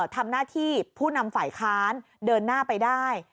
ทำหน้าที่ผู้นำฝ่ายค้านเดินหน้าไปได้